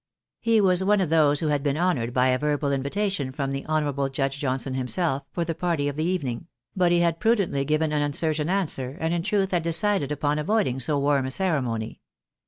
He was one of those who had been honoured by a verbal invi tation from the honourable J udge Johnson himself, for the party of the evening ; but he had prudently given an uncertain answer, and in truth had decided upon avoiding so warm a ceremony.